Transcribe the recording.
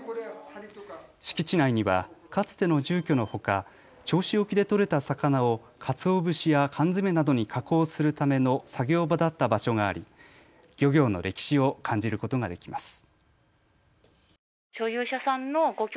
敷地内にはかつての住居のほか銚子沖で取れた魚をかつお節や缶詰などに加工するための作業場だった場所があり、漁業の歴史を感じることができます。